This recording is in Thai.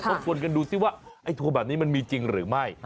ชวนกันดูซิว่าไอ้โทรแบบนี้มันมีจริงหรือไม่